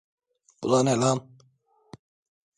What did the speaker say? Bu da ne lan?